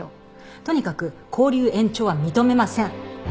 とにかく勾留延長は認めません。